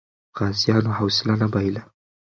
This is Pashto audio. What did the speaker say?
غازیانو حوصله نه بایله.